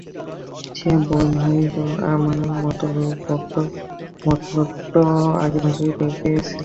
সে বোধহয় আমার মতলবটো আগেভাগেই টের পেয়েছিল।